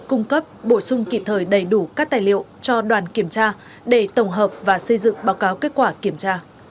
cung cấp bổ sung kịp thời đầy đủ các tài liệu cho đoàn kiểm tra để tổng hợp và xây dựng báo cáo kết quả kiểm tra